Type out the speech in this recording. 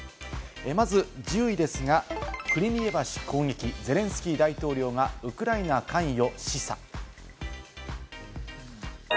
まず１０位ですが、クリミア橋攻撃、ゼレンスキー大統領がウクライナ関与示唆。